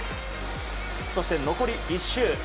そして残り１周。